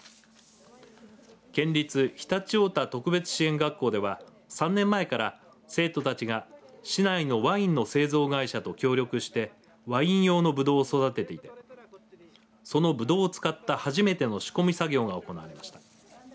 県立常陸太田特別支援学校では３年前から生徒たちが市内のワインの製造会社と協力してワイン用のぶどうを育てていてそのぶどうを使った初めての仕込み作業が行われました。